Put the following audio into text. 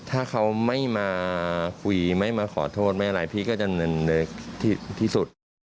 ถ้าเขาไม่มาคุยไม่มาขอโทษไม่อะไรพี่ก็ดำเนินในที่สุด